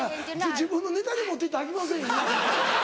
自分のネタに持って行ったらあきませんよ。